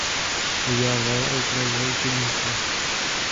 Vydával a upravoval učebnice.